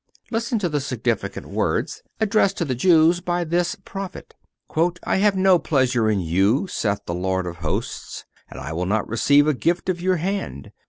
Listen to the significant words addressed to the Jews by this prophet: "I have no pleasure in you, saith the Lord of hosts, and I will not receive a gift of your hand.